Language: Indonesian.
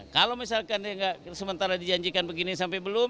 kalau misalkan dia nggak sementara dijanjikan begini sampai belum